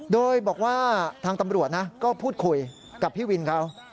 โดยบอกว่าทางตำรวจนะก็พูดคุยกับพี่วินเขา